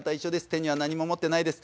手には何も持ってないです。